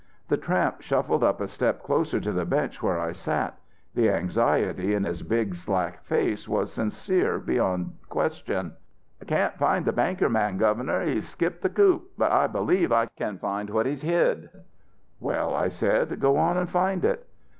"The tramp shuffled up a step closer to the bench where I sat The anxiety in his big slack face was sincere beyond question. "'I can't find the banker man, Governor; he's skipped the coop. But I believe I can find what he's hid.' "'Well' I said, 'go on and find it.'